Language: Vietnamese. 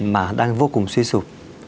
mà đang vô cùng suy sụp